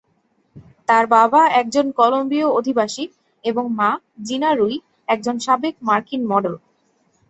তার বাবা একজন কলোমবিয় অধিবাসী এবং মা, জিনা রুই, একজন সাবেক মার্কিন মডেল।